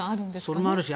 それもあるし